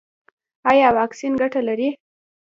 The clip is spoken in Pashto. ایا واکسین ګټه لري؟